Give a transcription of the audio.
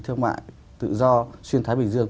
thương mại tự do xuyên thái bình dương